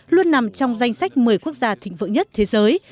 luôn nằm trong danh sách một mươi quốc gia thịnh vượng nhất thế giới